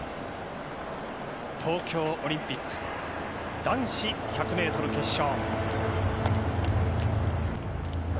東京オリンピック男子１００ｍ決勝。